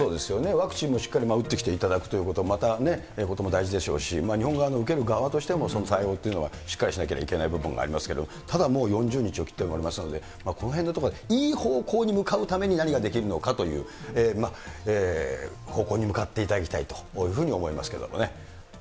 ワクチンもしっかり打ってきていただくということは、またとても大事でしょうし、日本側の受ける側としても対応というのはしっかりしなければいけない部分がありますけれども、ただもう、４０日を切っておりますので、このへんのところ、いい方向に向かうために何ができるのかという、方向に向かっていただきたいというふうに思いますけどもね。